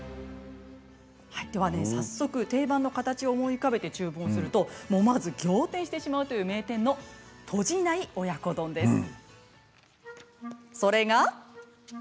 早速、定番の形を思い浮かべて注文すると思わず仰天してしまうという名店のとじない親子丼です。